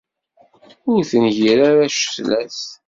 Ur tengir ara ccetla-s.